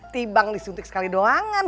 tiba disuntik sekali doangan